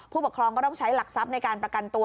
ผู้ปกครองก็ต้องใช้หลักทรัพย์ในการประกันตัว